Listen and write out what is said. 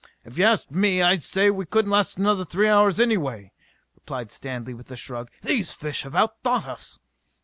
"If you asked me, I'd say we couldn't last another three hours anyway," replied Stanley with a shrug. "These fish have out thought us!"